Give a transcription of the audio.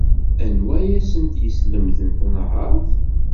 Anwa ay asent-yeslemden tanhaṛt?